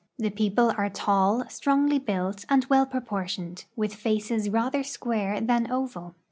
The people are tall, strongly built, and well proportioned, with faces rather square than oval.